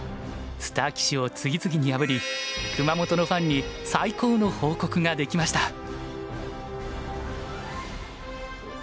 スター棋士を次々に破り熊本のファンに最高の報告ができました。